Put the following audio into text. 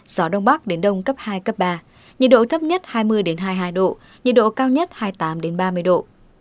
gió đông bắc đến đông cấp hai cấp ba nhiệt độ thấp nhất hai mươi hai mươi hai độ nhiệt độ cao nhất hai mươi tám ba mươi độ